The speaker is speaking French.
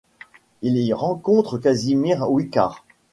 Il y rencontre Casimir Wicart.